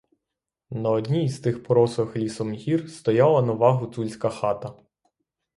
На одній із тих порослих лісом гір стояла нова гуцульська хата.